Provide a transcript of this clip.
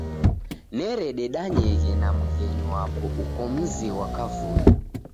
Nerededanyeghe na mghenyu wapo uko mzi ghwa kavui.